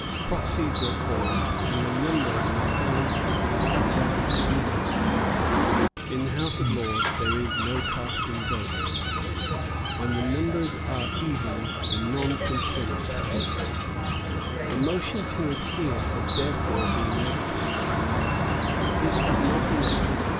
Proxies were called; and the numbers were found to be exactly even. In the House of Lords there is no casting vote. When the numbers are even, the non contents have it. The motion to adhere had therefore been negatived. But this was not enough.